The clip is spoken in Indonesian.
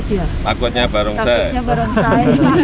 takutnya bareng saya